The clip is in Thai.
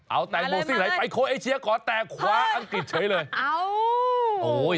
เอาแตงโมซิ่งไหนไปโคเอเชียก่อนแต่คว้าอังกฤษเฉยเลย